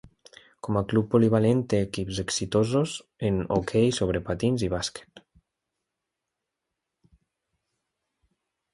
Com a club polivalent té equips exitosos en hoquei sobre patins i bàsquet.